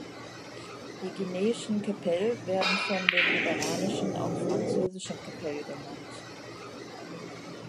Die guineischen Kpelle werden von den liberianischen auch „französische Kpelle“ genannt.